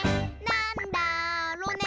なんだろね。